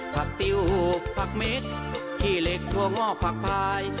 ผักติ้วผักเม็ดขี้เหล็กถั่วงอกผักพาย